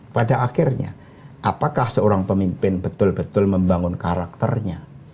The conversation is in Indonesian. pada akhirnya apakah seorang pemimpin betul betul membangun karakternya